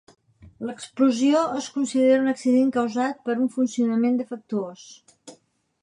L'explosió es considera un accident causat per un funcionament defectuós.